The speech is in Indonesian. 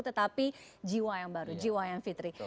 tetapi jiwa yang baru jiwa yang fitri